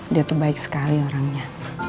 dia tuh baik sekali orangnya